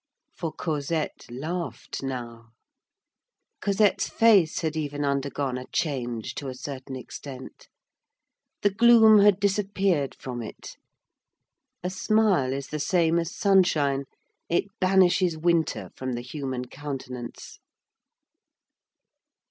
For Cosette laughed now. Cosette's face had even undergone a change, to a certain extent. The gloom had disappeared from it. A smile is the same as sunshine; it banishes winter from the human countenance.